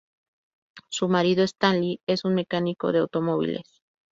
Su marido, Stanley, es un mecánico de automóviles.